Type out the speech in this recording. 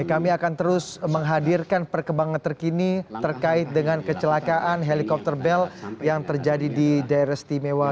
kami akan terus menghadirkan perkembangan terkini terkait dengan kecelakaan helikopter bel yang terjadi di daerah istimewa